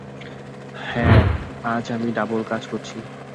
হ্যাঁ, আজ আমি ডাবল কাজ করছি।